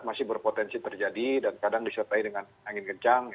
masih berpotensi terjadi dan kadang disertai dengan angin kencang